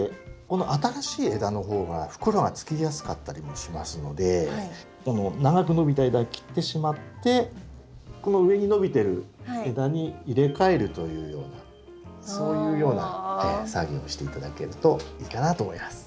この新しい枝の方が袋がつきやすかったりもしますのでこの長く伸びた枝切ってしまってこの上に伸びてる枝に入れ替えるというようなそういうような作業をして頂けるといいかなと思います。